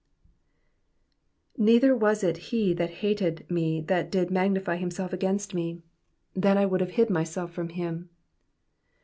^^ Neither was it ?ie that hated me that did magnify himself against me ; then 1 would have hid myself from him.''''